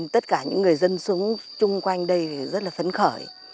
tất cả những người dân xuống chung quanh đây thì rất là phấn khởi